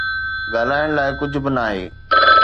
ڳالهائڻ لاءِ ڪجهه به ناهي